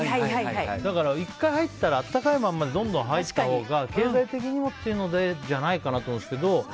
だから１回入ったら温かい間に入ったほうが経済的にもっていうのじゃないかなと思うんですけど。